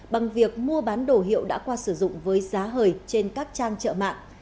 bằng việc mua bán đồ hiệu đã qua sử dụng với giá hởi trên các trang chợ mạng